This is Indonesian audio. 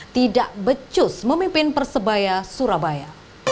tidak becus memimpin persebaya surabaya